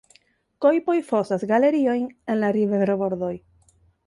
Kojpoj fosas galeriojn en la riverbordoj.